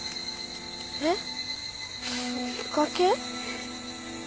えっ？崖？